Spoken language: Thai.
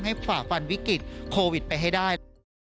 ให้ฝากฝันวิกฤตโควิดไปให้ได้